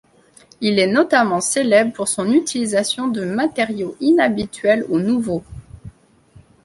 Il est notamment célèbre pour son utilisation de matériaux inhabituels ou nouveaux.